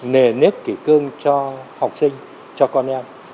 nề nếp kỷ cương cho học sinh cho con em